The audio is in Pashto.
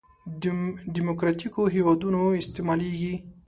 دیموکراتیکو هېوادونو استعمالېږي.